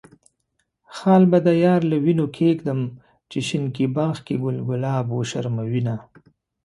خال به د يار له وينو کيږدم، چې شينکي باغ کې ګل ګلاب وشرموينه.